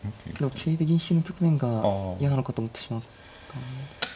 桂で銀引きの局面が嫌なのかなと思ってしまった。